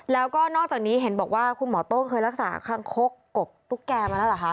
แล้วก็นอกจากนี้เห็นบอกว่าคุณหมอโต้เคยรักษาคางคกกบตุ๊กแก่มาแล้วเหรอคะ